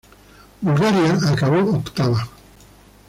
Bulgaria acabó octava.